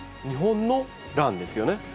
日本のランですよね？